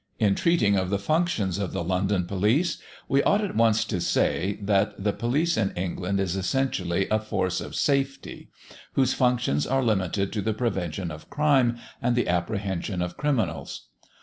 In treating of the functions of the London Police, we ought at once to say, that the police in England is essentially a force of safety, whose functions are limited to the prevention of crime and the apprehension of criminals.